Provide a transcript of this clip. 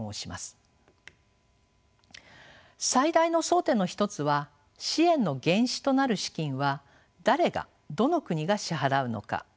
最大の争点の一つは支援の原資となる資金は誰がどの国が支払うのか拠出するのかです。